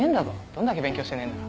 どんだけ勉強してねえんだ。